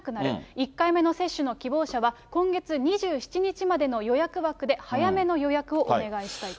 １回目の接種の希望者は、今月２７日までの予約枠で早めの予約をお願いしたいと。